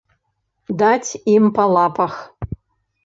Даць ім па лапах!